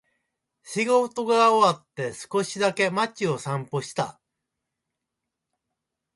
仕事が終わって、少しだけ街を散歩した。